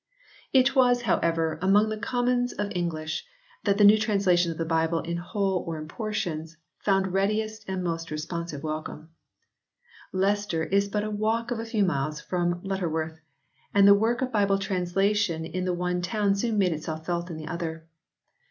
It was, however, among the commons of England that the new translation of the Bible in whole or in portions found readiest and most responsive welcome. Leicester is but a walk of a few miles from Lutter worth, and the work of Bible translation in the one town soon made itself felt in the other.